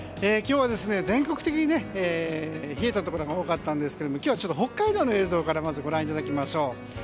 今日は全国的に冷えたところが多かったんですけど今日は北海道の映像からご覧いただきましょう。